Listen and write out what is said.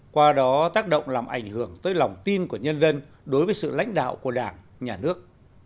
qua đó tác động làm ảnh hưởng tới lòng tin của nhân dân đối với sự lãnh đạo của đảng nhà nước